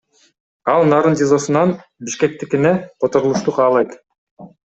Ал Нарын ТИЗОсунан Бишкектикине которулушту каалайт.